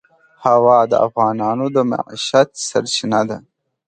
هوا د افغانانو د معیشت سرچینه ده.